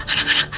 kak nek terbang